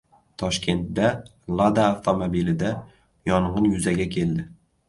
Toshkentda "Lada" avtomobilida yong‘in yuzaga keldi